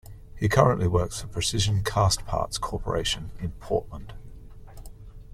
He currently works for Precision Castparts Corporation in Portland.